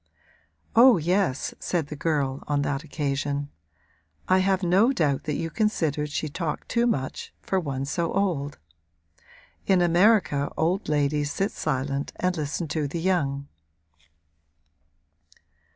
'Oh yes,' said the girl, on that occasion, 'I have no doubt that you considered she talked too much, for one so old. In America old ladies sit silent and listen to the young.'